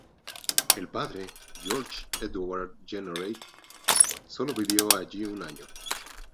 El padre, Georges-Édouard Jeanneret, solo vivió allí un año.